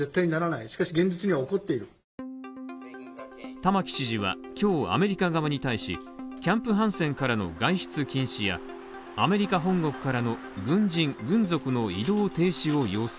玉城知事は今日アメリカ側に対し、キャンプ・ハンセンからの外出禁止やアメリカ本国からの軍人軍属の移動停止を要請